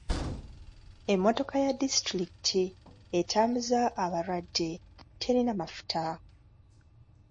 Emmotoka ya disitulikiti etambuza abalwadde terina mafuta.